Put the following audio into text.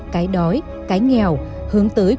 cái đói cái nghèo hướng tới